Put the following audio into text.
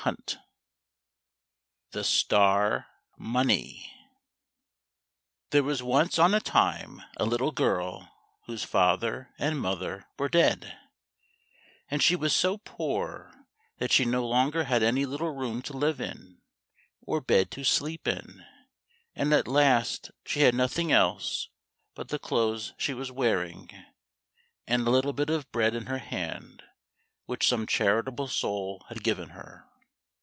153 The Star Money There was once on a time a little girl whose father and mother were dead, and she was so poor that she no longer had any little room to live in, or bed to sleep in, and at last she had nothing else but the clothes she was wearing and a little bit of bread in her hand which some charitable soul had given her.